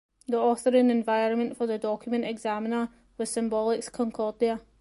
The authoring environment for the Document Examiner was Symbolics Concordia.